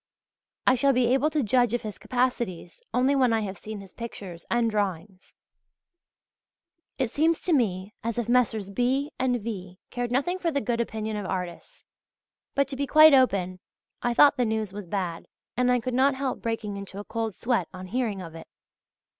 I shall be able to judge of his capacities only when I have seen his pictures and drawings. It seems to me as if Messrs. B. and V. cared nothing for the good opinion of artists. But, to be quite open, I thought the news was bad, and I could not help breaking into a cold sweat on hearing of it.